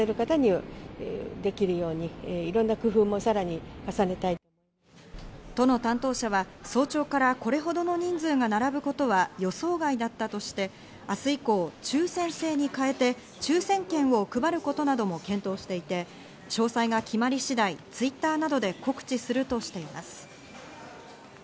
一方、小池知事は。都の担当者は早朝からこれほどの人数が並ぶことは予想外だったとして、明日以降、抽選制に変えて抽選券を配ることなども検討していて、詳細が決まり次第、Ｔｗｉｔｔｅｒなどで告知するとしています。